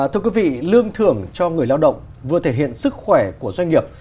thưa quý vị lương thưởng cho người lao động vừa thể hiện sức khỏe của doanh nghiệp